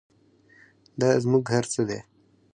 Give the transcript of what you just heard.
دا زموږ هر څه دی